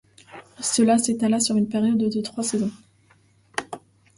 Cela s'étala sur une période de trois saisons.